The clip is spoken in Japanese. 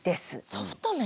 ソフト面？